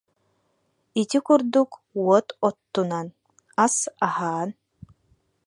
Ити курдук уот оттунан, ас аһаан